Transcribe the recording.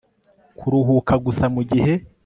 kuruhuka gusa mugihe